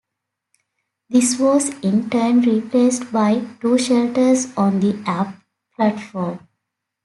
This was in turn replaced by two shelters on the Up platform.